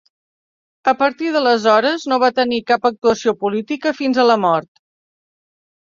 A partir d’aleshores, no va tenir cap actuació política fins a la mort.